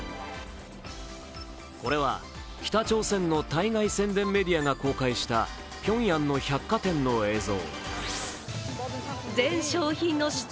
これは北朝鮮の対外宣伝メディアが公開したピョンヤンの百貨店の映像。